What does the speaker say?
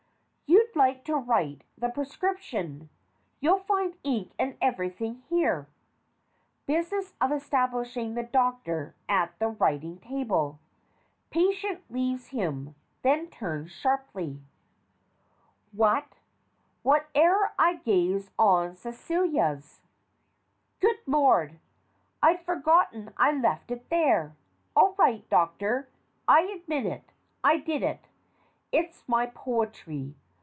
You'd like to write the prescription; you'll find ink and everything here. (Business of establishing the DOCTOR at the writing table. PATIENT leaves him: then turns sharply.) What ? "Whene'er I gaze on Celia's " Good Lord ! I'd forgotten I left it there. All right, Doctor. I admit it. I did it. It's my poetry.